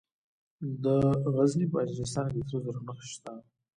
د غزني په اجرستان کې د سرو زرو نښې شته.